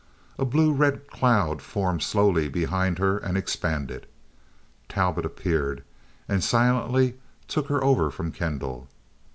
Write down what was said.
A blue red cloud formed slowly behind her and expanded. Talbot appeared, and silently took her over from Kendall.